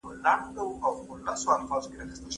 د بدن روغتیا لپاره هڅه کوئ.